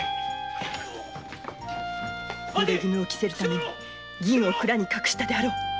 濡衣を着せるために銀を蔵に隠したであろう！